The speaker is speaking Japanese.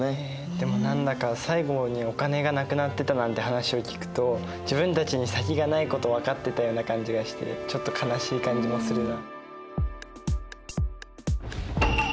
でも何だか最後にお金がなくなってたなんて話を聞くと自分たちに先がないこと分かってたような感じがしてちょっと悲しい感じもするな。